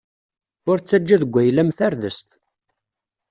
Ur ttaǧǧa deg wayla-m tardest.